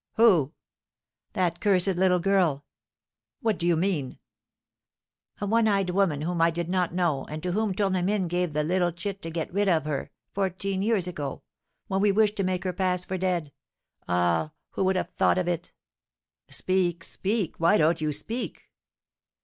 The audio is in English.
"Who?" "That cursed little girl!" "What do you mean?" "A one eyed woman, whom I did not know, and to whom Tournemine gave the little chit to get rid of her, fourteen years ago, when we wished to make her pass for dead Ah, who would have thought it!" "Speak! Speak! Why don't you speak?"